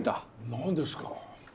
何ですか？